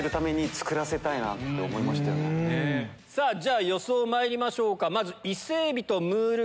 じゃ予想まいりましょうか。